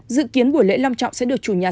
dự kiến buổi lễ long trọng sẽ được chủ nhà